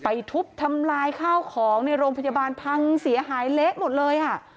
ทุบทำลายข้าวของในโรงพยาบาลพังเสียหายเละหมดเลยอ่ะ